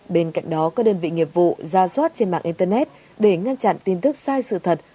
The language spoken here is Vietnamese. bên cạnh đó các đơn vị nghiệp vụ ra soát trên mạng internet để ngăn chặn tin tức sai sự thật